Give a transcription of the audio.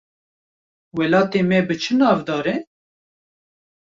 Welatê me bi çi navdar e?